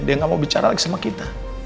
dia gak mau bicara lagi sama kita